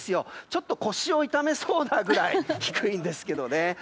ちょっと腰を痛めそうなぐらい低いんですけどね。